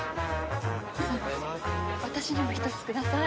私にも１つください。